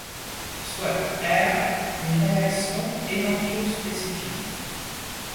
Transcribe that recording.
Soit R, une réaction énantiospécifique.